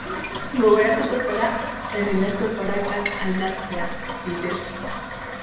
Gogoratuko zara franelazko prakak aldatzeaz, Peter?